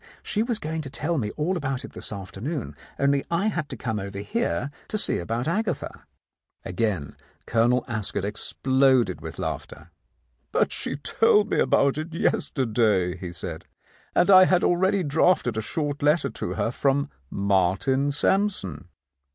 She was going to tell me all about it this afternoon, only I had to come over here to see about Agatha." Again Colonel Ascot exploded with laughter. "But she told me about it yesterday," he said, "and I had already drafted a short letter to her from Martin Sampson."